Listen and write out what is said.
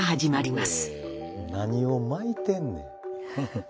何を巻いてんねん。